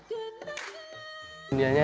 dunianya itu adalah sebuah karya yang berkata